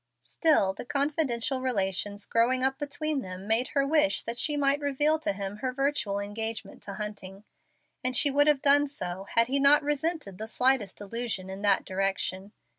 Still the confidential relations growing up between them made her wish that she might reveal to him her virtual engagement to Hunting; and she would have done so, had he not resented the slightest allusion in that direction.